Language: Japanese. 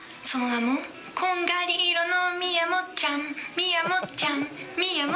その名も、こんがり色のみやもっちゃん、みやもっちゃん。